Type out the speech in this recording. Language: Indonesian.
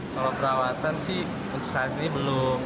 kalau perawatan sih untuk saat ini belum